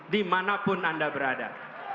dimanapun anda berada